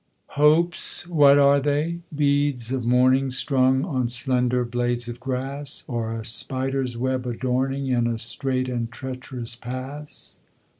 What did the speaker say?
Hopes, what are they ? beads of morning Strung on slender blades of grass, Or a spider's web adorning, In a strait and treacherous pass.